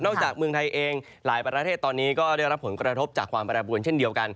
จากเมืองไทยเองหลายประเทศตอนนี้ก็ได้รับผลกระทบจากความแปรปวนเช่นเดียวกัน